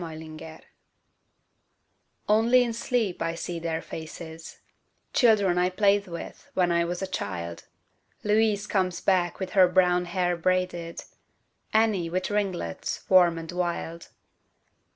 "Only in Sleep" Only in sleep I see their faces, Children I played with when I was a child, Louise comes back with her brown hair braided, Annie with ringlets warm and wild.